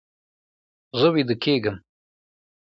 زه ویده کیږم